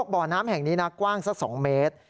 บ่อน้ำแห่งนี้นะกว้างสัก๒เมตร